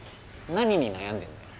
何に悩んでんだよ？